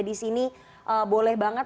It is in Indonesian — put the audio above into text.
di sini boleh banget